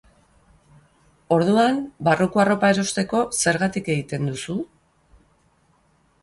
Orduan, barruko arropa erosteko zergaitik egiten duzu?